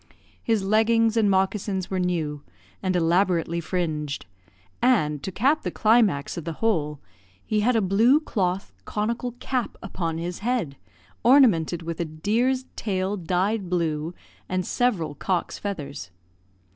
His leggings and moccasins were new, and elaborately fringed; and, to cap the climax of the whole, he had a blue cloth conical cap upon his head, ornamented with a deer's tail dyed blue, and several cock's feathers.